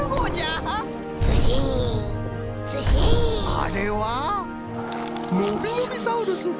あれはのびのびサウルス。